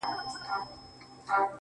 • اوښکي دې توی کړلې ډېوې، راته راوبهيدې_